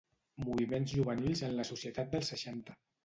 Moviments juvenils en la societat dels seixanta.